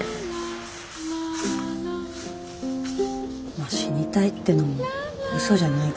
まあ死にたいってのもうそじゃないから。